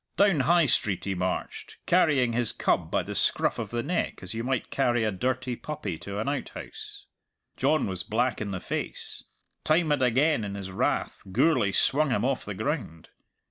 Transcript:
Down High Street he marched, carrying his cub by the scruff of the neck as you might carry a dirty puppy to an outhouse. John was black in the face; time and again in his wrath Gourlay swung him off the ground.